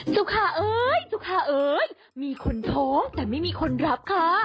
สุคาเอ้ยสุขาเอ้ยมีคนท้องแต่ไม่มีคนรับค่ะ